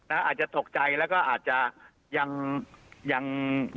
อาจจะตกใจแล้วก็อาจจะยังยัง